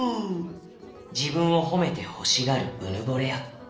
じぶんをほめてほしがるうぬぼれや。